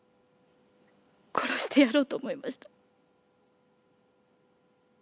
殺してやろうと思いました。